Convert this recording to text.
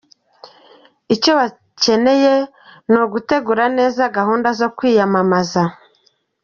Icyo bakeneye ni ugutegura neza gahunda zo kwiyamamaza.